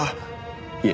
いえ。